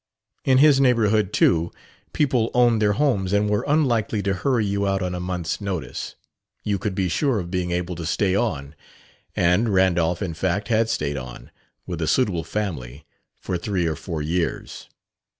In his neighborhood, too, people owned their homes and were unlikely to hurry you out on a month's notice. You could be sure of being able to stay on; and Randolph, in fact, had stayed on, with a suitable family, for three or four years.